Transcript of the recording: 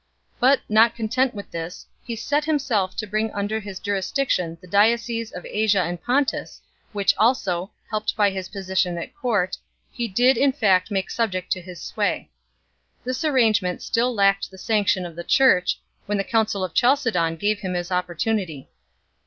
But, not con tent with this, he set himself to bring under his jurisdic tion the dioceses of Asia and Pontus, which also, helped by his position at court, he did in fact make subject to his .sway. This arrangement still lacked the sanction of the Church, when the Council of Chalcedon gave him his op portunity.